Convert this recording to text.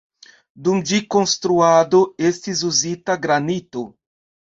Dum ĝi konstruado estis uzita granito.